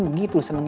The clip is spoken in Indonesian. juga kamu seneng